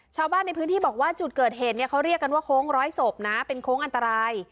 ชาวบ้านในพื้นที่บอกว่าจุดเกิดเหตุเนี่ยเขาเรียกกันว่าโค้งร้อยศพนะเป็นโค้งอันตราย